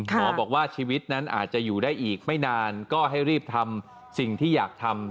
หมอบอกว่าชีวิตนั้นอาจจะอยู่ได้อีกไม่นานก็ให้รีบทำสิ่งที่อยากทำ